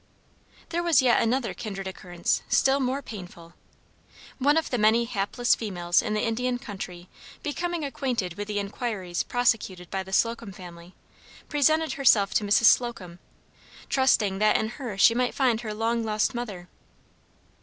There was yet another kindred occurrence, still more painful. One of the many hapless female captives in the Indian country becoming acquainted with the inquiries prosecuted by the Slocum family, presented herself to Mrs. Slocum, trusting that in her she might find her long lost mother.